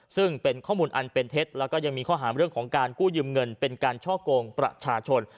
ซึ่งเป็นข้อมูลอันเป็นเท็จแล้วก็ยังมีข้อหาเรื่องของการกู้ยืมเงินเป็นการช่อกงประชาชน